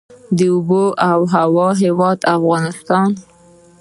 د اوبو او هوا هیواد افغانستان.